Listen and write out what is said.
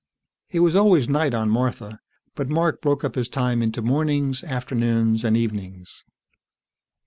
It was always night on Martha, but Mark broke up his time into mornings, afternoons and evenings.